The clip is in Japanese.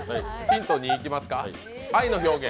ヒント２いきますか。